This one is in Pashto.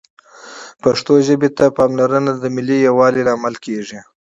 پښتو ژبې ته پاملرنه د ملي یووالي لامل کېږي